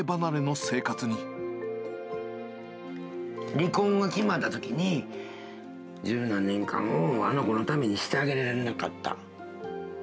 離婚が決まったときに、十何年間、あの子のためにしてあげられなかった。